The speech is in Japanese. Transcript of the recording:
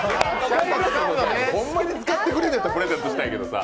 ほんまに使ってくれるならプレゼントしたいけどさー。